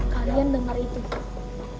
kalian dengar itu